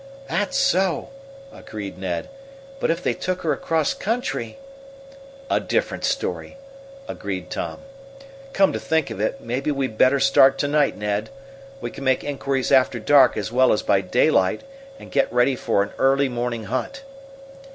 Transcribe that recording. "That's so," agreed Ned. "But if they took her across country " "A different story," agreed Tom. "Come to think of it, maybe we'd better start to night, Ned. We can make inquiries after dark as well as by daylight and get ready for an early morning hunt."